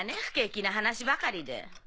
不景気な話ばかりで。